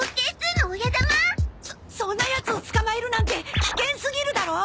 そそんなヤツを捕まえるなんて危険すぎるだろ！